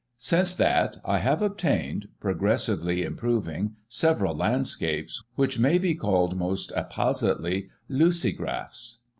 Since that, I have obtained, progressively improving, several landscapes, which may be called, most appositely, ' ludgraphs.